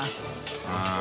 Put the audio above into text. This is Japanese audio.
うん。